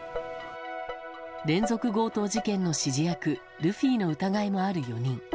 連続強盗事件の指示役ルフィの疑いがある４人。